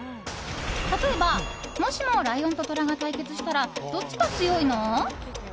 例えば、もしもライオンとトラが対決したらどっちが強いの？